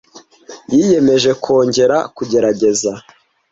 Yiyemeje kongera kugerageza.